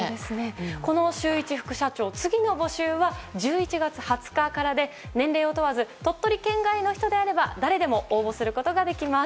この週１副社長次の募集は１１月２０日からで年齢を問わず鳥取県外の人であれば誰でも登録することができます。